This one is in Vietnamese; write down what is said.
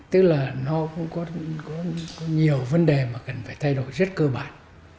tức là nó cũng có nhiều vấn đề mà cần phải thay đổi rất cơ bản